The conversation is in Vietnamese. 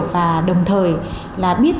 và đồng thời là biết